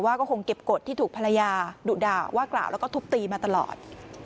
ว่าก็คงเก็บกฎที่ถูกภรรยาดุด่าว่ากล่าวแล้วก็ทุบตีมาตลอด